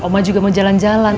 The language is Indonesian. oma juga mau jalan jalan